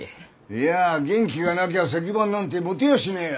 いや元気がなきゃ石版なんて持てやしねえよ。